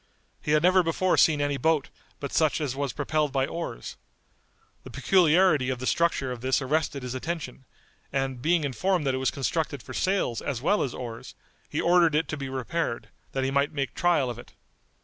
He had never before seen any boat but such as was propelled by oars. The peculiarity of the structure of this arrested his attention, and being informed that it was constructed for sails as well as oars, he ordered it to be repaired, that he might make trial of it.